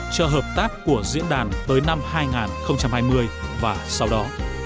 cho hợp tác của diễn đàn tới năm hai nghìn hai mươi và sau đó